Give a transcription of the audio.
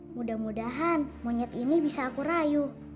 mudah mudahan monyet ini bisa aku rayu